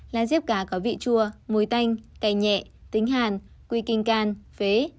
lá diếp cá có vị chua mùi tanh cay nhẹ tính hàn quy kinh can phế